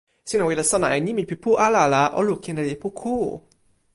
sina wile sona e nimi pi pu ala la o lukin e lipu ku.